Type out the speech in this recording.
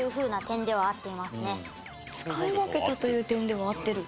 「使い分けたという点では合ってる」？